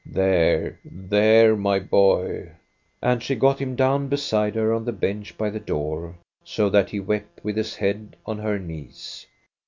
" There, there, my boy !" And she got him down beside her on the bench by the door, so that he wept with his head on her knees.